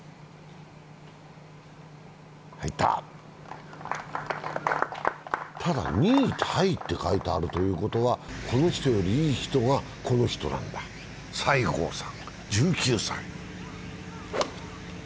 入った、ただ２位タイと書いてあるということはこの人よりいい人が、この人なんだ西郷さん、１９歳。